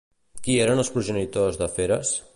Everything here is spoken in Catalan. Qui eren els progenitors de Feres?